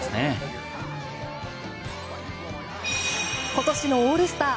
今年のオールスター